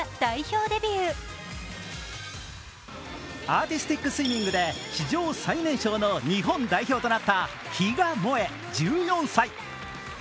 アーティスティックスイミングで史上最年少の日本代表となった比嘉もえ、１４歳。